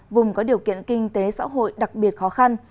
vùng có điều kiện kinh tế xã hội đặc biệt khó khăn